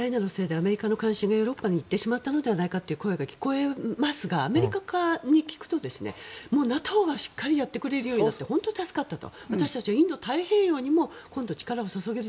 ウクライナのせいでアメリカの関心がヨーロッパに行ってしまったのではないかという声が聞こえますがアメリカ側に聞くとＮＡＴＯがしっかりやってくれるようになって助かったと。